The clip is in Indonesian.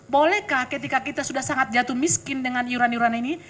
bolehkah ketika kita sudah sangat jatuh miskin dengan iuran iuran ini